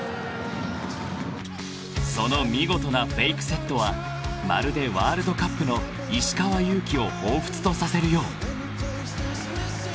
［その見事なフェイクセットはまるでワールドカップの石川祐希をほうふつとさせるよう］